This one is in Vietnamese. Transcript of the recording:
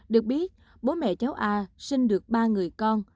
được biết bố mẹ cháu a sinh được ba người con